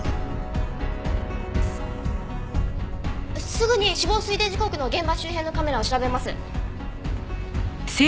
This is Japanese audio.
すぐに死亡推定時刻の現場周辺のカメラを調べます！